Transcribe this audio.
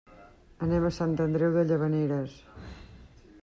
Anem a Sant Andreu de Llavaneres.